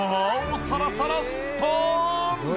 サラサラスットーン！